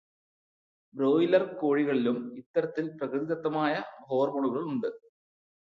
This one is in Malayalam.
ബ്രോയ്ലർ കോഴികളിലും ഇത്തരം പ്രകൃതിദത്തമായ ഹോർമോണുകള് ഉണ്ട്.